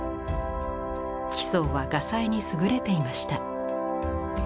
徽宗は画才に優れていました。